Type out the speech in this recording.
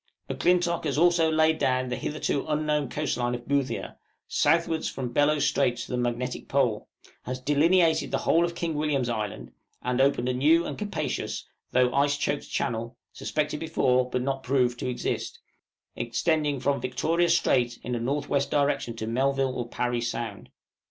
M'Clintock has also laid down the hitherto unknown coast line of Boothia, southwards from Bellot Strait to the Magnetic Pole, has delineated the whole of King William's Island, and opened a new and capacious, though ice choked channel, suspected before, but not proved, to exist, extending from Victoria Strait in a north west direction to Melville or Parry Sound.